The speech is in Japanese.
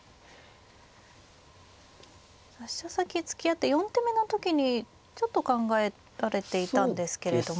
飛車先突き合って４手目の時にちょっと考えられていたんですけれども。